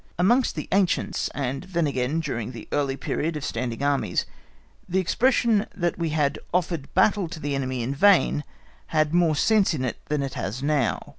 Amongst the ancients, and then again during the early period of standing Armies, the expression that we had offered battle to the enemy in vain, had more sense in it than it has now.